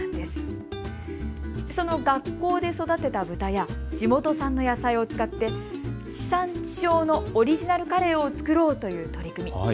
その学校で育てた豚や地元産の野菜を使って、地産地消のオリジナルカレーを作ろうという取り組み。